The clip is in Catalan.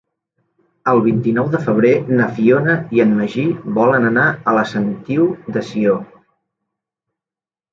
El vint-i-nou de febrer na Fiona i en Magí volen anar a la Sentiu de Sió.